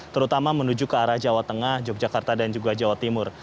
terutama menuju ke arah jawa tengah yogyakarta dan juga jawa timur